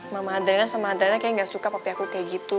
mama adriana sama adriana kayaknya gak suka papi aku kayak gitu